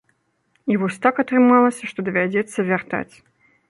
І вось так атрымалася, што давядзецца вяртаць.